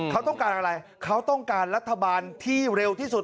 เขาต้องการอะไรเขาต้องการรัฐบาลที่เร็วที่สุด